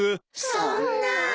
そんな。